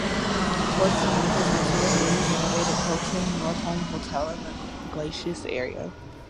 Towards the north is also the newly renovated Hilton-Northolme Hotel in the Glacis area.